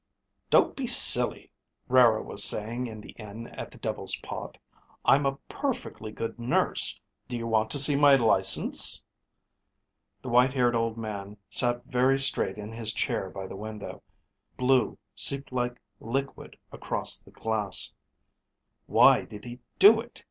"Don't be silly," Rara was saying in the inn at the Devil's Pot. "I'm a perfectly good nurse. Do you want to see my license?" The white haired old man sat very straight in his chair by the window. Blue seeped like liquid across the glass. "Why did I do it?"